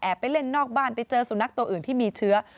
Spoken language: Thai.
ไปเล่นนอกบ้านไปเจอสุนัขตัวอื่นที่มีเชื้อ